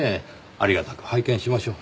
ありがたく拝見しましょう。